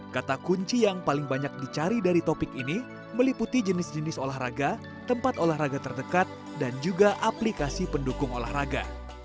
kata kunci yang paling banyak dicari dari topik ini meliputi jenis jenis olahraga tempat olahraga terdekat dan juga aplikasi pendukung olahraga